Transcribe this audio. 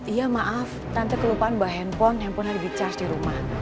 iya maaf tante kelupaan bawa handphone handphone lagi di charge di rumah